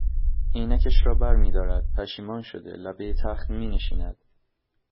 عینکش را برمیدارد پشیمان شده لبهی تخت مینشیند